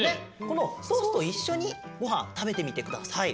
このソースといっしょにごはんたべてみてください。